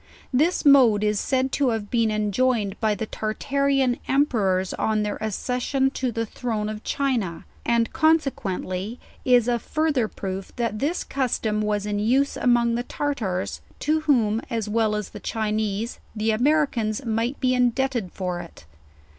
This mode is said to have been enjoin ed by the Tartarian emperors on their accession to the throne of China, and consequently is a farther proof that this cus tom was in use among the Tartars; to whom, ns well as the Chinese, the Americans might be indebted for it.